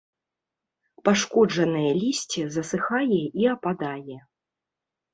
Пашкоджанае лісце засыхае і ападае.